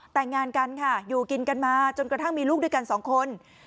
แต่งงานกันค่ะอยู่กินกันมาจนกระทั่งมีลูกด้วยกันสองคน